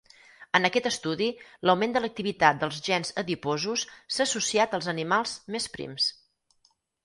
En aquest estudi, l'augment de l'activitat dels gens adiposos s'ha associat als animals més prims.